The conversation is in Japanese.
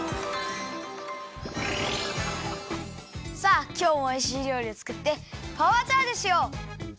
さあきょうもおいしいりょうりをつくってパワーチャージしよう！